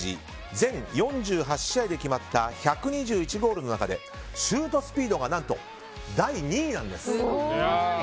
全４８試合で決まった１２１ゴールの中でシュートスピードが何と第２位なんです。